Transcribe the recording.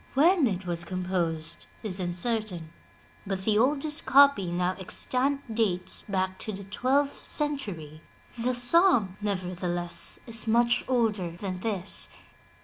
When it was composed is uncertain, but the oldest copy now extant dates back to the twelfth century. The song, nevertheless, is much older than this.